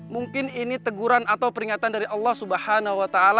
mungkin ini teguran atau peringatan dari allah swt